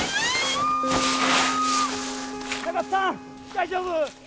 大丈夫！？